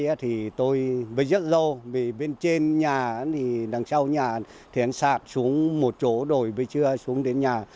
tôi ở đây thì tôi với rất lâu vì bên trên nhà thì đằng sau nhà thì hắn sạt xuống một chỗ đổi với chưa xuống đến nhà